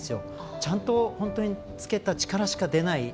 ちゃんと、つけた力しか出ない